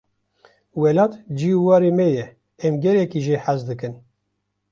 Welat cih û ware me ye, em gelekî jê hez dikin.